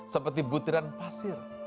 seperti butiran pasir